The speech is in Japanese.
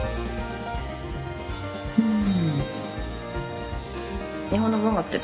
うん。